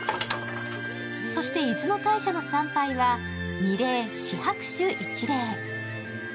そして、出雲大社の参拝は、二礼・四拍手・一礼。